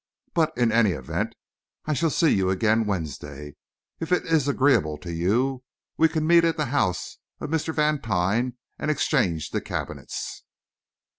But, in any event, I shall see you again Wednesday. If it is agreeable to you, we can meet at the house of Mr. Vantine and exchange the cabinets."